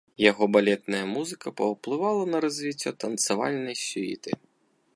Яго балетная музыка паўплывала на развіццё танцавальнай сюіты.